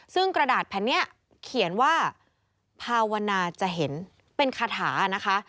ซึ่งกระดาษแผ่นนี้เขียนว่าภาวนาจะเห็นเป็นคาถานะคะ